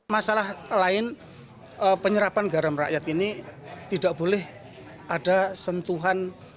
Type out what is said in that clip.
masalah lain penyerapan garam rakyat ini tidak boleh ada sentuhan